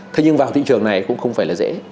thế nhưng vào thị trường này cũng không phải là dễ